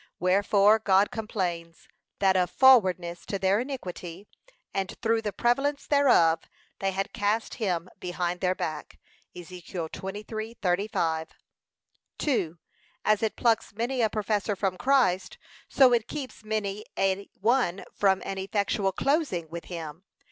Wherefore God complains, that of forwardness to their iniquity, and through the prevalence thereof, they had cast him behind their back. (Ezek. 23:35) 2. As it plucks many a professor from Christ, so it keeps many a one from an effectual closing with him.